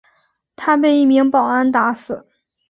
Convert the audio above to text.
他被一名保安打死。